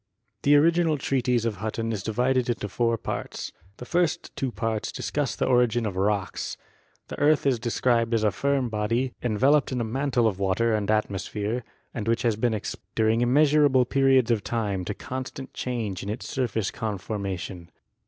The original treatise of Hutton is divided into four parts. The first two parts discuss the origin of rocks. The earth is described as a firm body, enveloped in a mantle of water and atmosphere and which has been ex posed during immeasurable periods of time to constant change in its surface conformation.